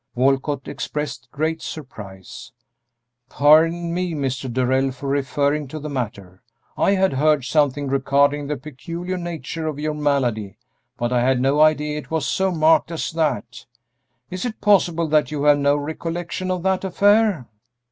Walcott expressed great surprise. "Pardon me, Mr. Darrell, for referring to the matter. I had heard something regarding the peculiar nature of your malady, but I had no idea it was so marked as that. Is it possible that you have no recollection of that affair?"